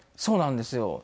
そうなんですよ。